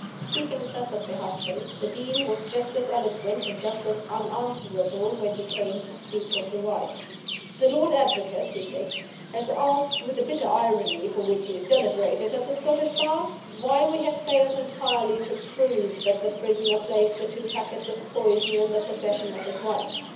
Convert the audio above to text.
Speaking thus of the husband, the Dean was just as eloquent and just as unanswerable when he came to speak of the wife. "The Lord Advocate," he said, "has asked, with the bitter irony for which he is celebrated at the Scottish Bar, why we have failed entirely to prove that the prisoner placed the two packets of poison in the possession of his wife.